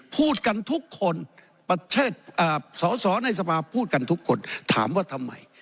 พูดกันทุกคนประเทศสอสอในสภาพูดกันทุกคนถามว่าทำไม